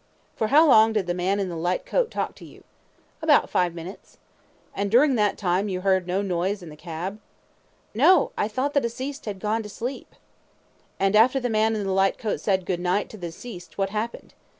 Q. For how long did the man in the light coat talk to you? A. About five minutes. Q. And during that time you heard no noise in the cab? A. No; I thought the deceased had gone to sleep. Q. And after the man in the light coat said "good night" to the deceased, what happened?